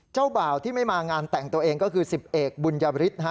เจ้าบ่าวที่ไม่มางานแต่งตัวเองก็คือ๑๐เอกบุญยบริษฐ์